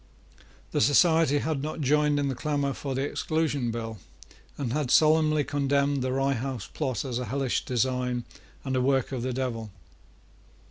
The society had not joined in the clamour for the Exclusion Bill, and had solemnly condemned the Rye House plot as a hellish design and a work of the devil.